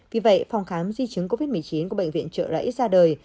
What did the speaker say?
vì vậy phòng khám di chứng covid một mươi chín của bệnh viện trợ rẫy ra đời